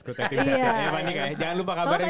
ya pak anika ya jangan lupa kabarnya